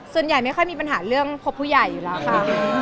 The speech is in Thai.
ส่วนใหญ่ไม่ค่อยมีปัญหาเรื่องพบผู้ใหญ่อยู่แล้วค่ะ